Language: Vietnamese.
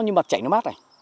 nhưng mà chảy nước mắt này